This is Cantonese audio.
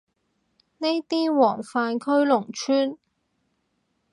呢啲黃泛區農村